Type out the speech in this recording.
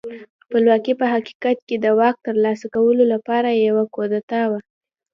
خپلواکي په حقیقت کې د واک ترلاسه کولو لپاره یوه کودتا وه.